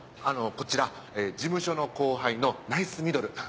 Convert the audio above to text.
こちら事務所の後輩のナイスミドル。